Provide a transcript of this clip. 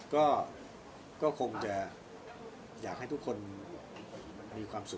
ขอบคุณคนจัดงานคุณอัณย์อยู่ตรงนี้